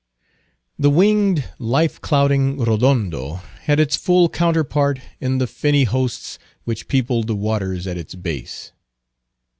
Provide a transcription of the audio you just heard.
The winged, life clouding Rodondo had its full counterpart in the finny hosts which peopled the waters at its base.